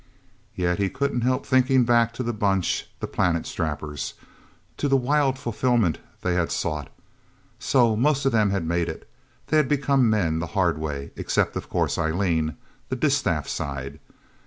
Yet he couldn't help thinking back to the Bunch, the Planet Strappers. To the wild fulfillment they had sought... So most of them had made it. They had become men the hard way. Except, of course, Eileen the distaff side...